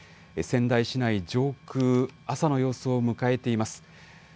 仙台市内上空、朝の様子を迎えています。